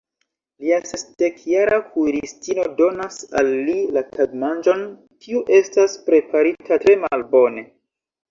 Lia sesdekjara kuiristino donas al li la tagmanĝon, kiu estas preparita tre malbone.